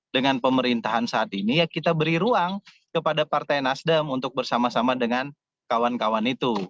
dengan pemerintahan saat ini ya kita beri ruang kepada partai nasdem untuk bersama sama dengan kawan kawan itu